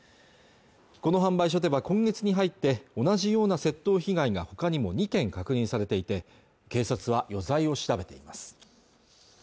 この販売所では今月に入って同じような窃盗被害がほかにも２件確認されていて警察は余罪を調べています